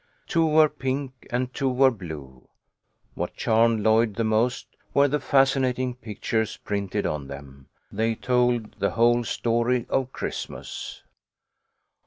Two were pink and two were blue. What charmed Lloyd the most were the fascinating pic tures printed on them. They told the whole story of Christmas.